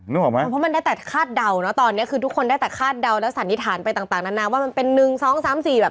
นึกออกไหมเพราะมันได้แต่คาดเดาเนอะตอนนี้คือทุกคนได้แต่คาดเดาแล้วสันนิษฐานไปต่างนั้นนะว่ามันเป็น๑๒๓๔แบบนั้นหรือเปล่าคะ